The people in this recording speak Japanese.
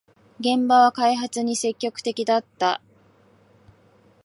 現場は開発に積極的だった